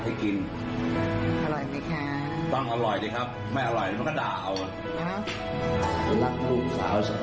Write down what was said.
เอาครับเมียผักให้กิน